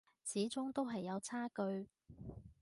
始終都係有差距